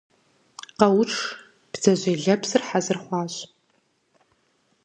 – Къэуш, бдзэжьей лэпсыр хьэзыр хъуащ.